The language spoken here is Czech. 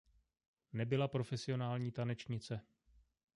Nebyla profesionální tanečnice.